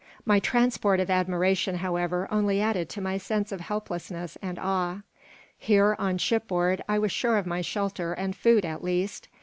My transport of admiration, however, only added to my sense of helplessness and awe. Here, on shipboard, I was sure of my shelter and food, at least.